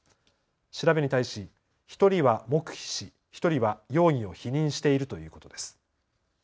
調べに対し１人は黙秘し１人は容疑を否認しているということです。